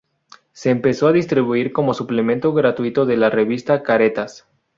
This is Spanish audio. Se empezó a distribuir como suplemento gratuito de la revista "Caretas".